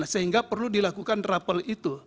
sehingga perlu dilakukan rapel itu